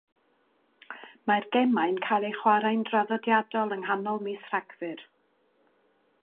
Mae'r gemau'n cael eu chwarae'n draddodiadol yng nghanol mis Rhagfyr.